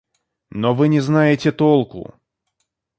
Но вы не знаете толку.